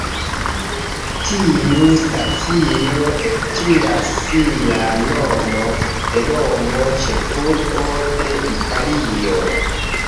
Tiu stacio eltiras sian nomon de Romo, ĉefurbo de Italio.